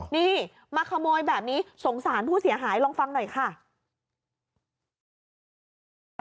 นี่มาขโมยแบบนี้สงสารผู้เสียหายลองฟังหน่อยค่ะ